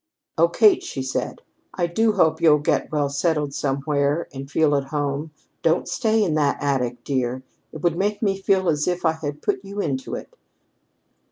"Oh, Kate," she said, "I do hope you'll get well settled somewhere and feel at home. Don't stay in that attic, dear. It would make me feel as if I had put you into it."